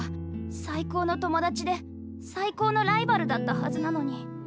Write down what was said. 最高の友達で最高のライバルだったはずなのに。